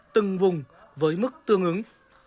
từng vùng với mức tương ương